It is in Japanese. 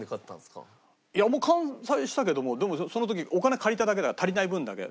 もう完済したけどでもその時お金借りた足りない分だけ。